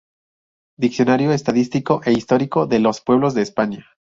Diccionario estadístico e histórico de los pueblos de España.